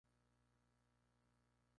Sus descendientes portan su apellido Pons.